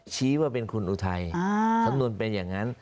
ชี้ว่าเป็นคุณอุทัยสำนวนเป็นอย่างนั้น